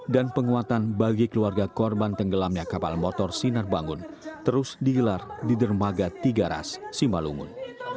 dan penguatan bagi keluarga korban tenggelamnya kapal motor sinar bangun terus diilar di dermaga tiga ras simalungun